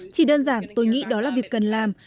chỉ đơn giản tôi nghĩ đó là việc cần làm